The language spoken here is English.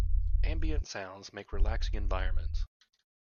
Ambient sounds make relaxing environments.